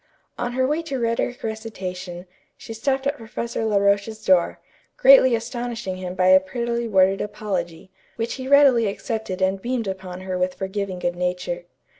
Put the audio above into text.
On her way to rhetoric recitation, she stopped at Professor La Roche's door, greatly astonishing him by a prettily worded apology, which he readily accepted and beamed upon her with forgiving good nature.